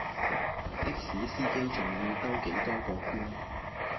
的士司機仲要兜幾多個圈